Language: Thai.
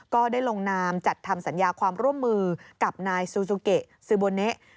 ก็ได้ลงนามจัดทำสัญญาความร่วมมือกับนายซูซูเกะซูโบเนะ